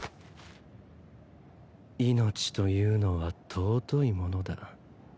命というのは尊いものだ。